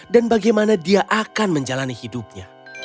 dan bagaimana dia akan menjalani hidupnya